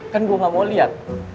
kan gue gak mau lihat